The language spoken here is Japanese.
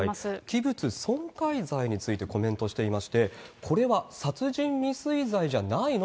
器物損壊罪についてコメントしていまして、これは殺人未遂罪じゃないの？